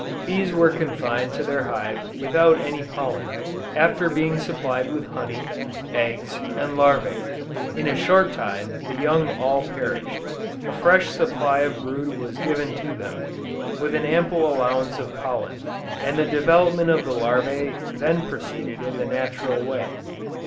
Bees were confined to their hive without any pollen, after being supplied with honey, eggs and larvæ. In a short time the young all perished. A fresh supply of brood was given to them, with an ample allowance of pollen, and the development of the larvæ then proceeded in the natural way.